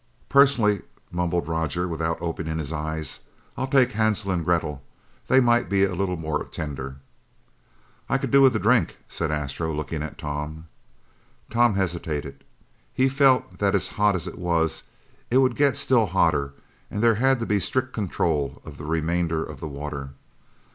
"Personally," mumbled Roger, without opening his eyes, "I'll take Hansel and Gretel. They might be a little more tender." "I could do with a drink," said Astro, looking at Tom. Tom hesitated. He felt that as hot as it was, it would get still hotter and there had to be strict control of the remainder of the water.